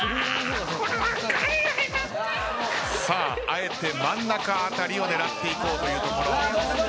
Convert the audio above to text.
あえて真ん中辺りを狙っていこうというところ。